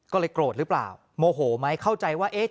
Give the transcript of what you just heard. ก็เลยโกรธหรือเปล่าโมโหไหมเข้าใจว่าเอ๊ะ